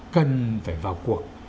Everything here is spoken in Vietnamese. cần phải vào cuộc